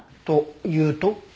というと？